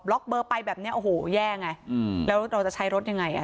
เบอร์ไปแบบเนี้ยโอ้โหแย่ไงแล้วเราจะใช้รถยังไงอ่ะ